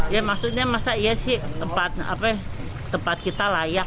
ya maksudnya masa iya sih tempat kita layak